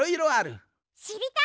しりたい。